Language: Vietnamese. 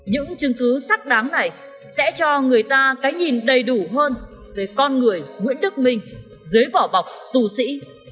những chứng cứ sắc đáng này sẽ cho người ta cái nhìn đầy đủ hơn về con người nguyễn đức minh dưới vỏ bọc tù sĩ